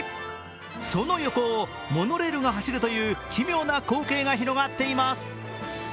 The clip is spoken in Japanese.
その横をモノレールが走るという奇妙な光景が広がっています。